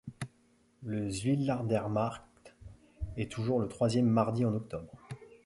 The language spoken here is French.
Le Zuidlaardermarkt est toujours le troisième mardi en octobre.